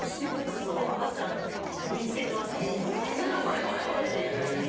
ずっと「これこれこれ！」って指さして。